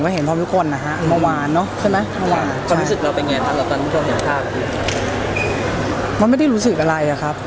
ได้เห็นกับภาคที่ออกมาไหมคะ